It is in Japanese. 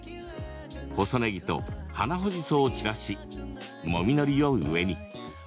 細ねぎと花穂じそを散らしもみのりを上に。